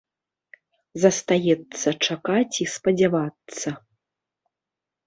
Застаецца чакаць і спадзявацца.